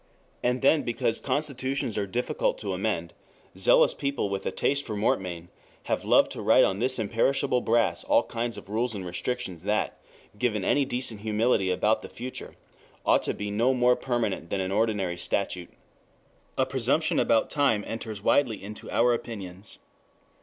And then because constitutions are difficult to amend, zealous people with a taste for mortmain have loved to write on this imperishable brass all kinds of rules and restrictions that, given any decent humility about the future, ought to be no more permanent than an ordinary statute. A presumption about time enters widely into our opinions.